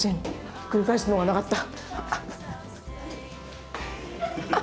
ひっくり返すのがなかった。